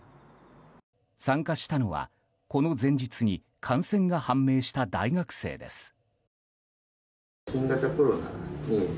参加したのは、この前日に感染が判明した大学生です。